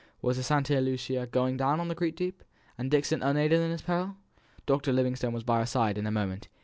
Was the Santa Lucia going down on the great deep, and Dixon unaided in his peril? Dr. Livingstone was by her side in a moment.